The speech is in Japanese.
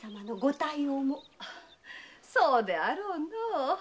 そうであろうのう。